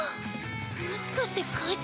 もしかして会長。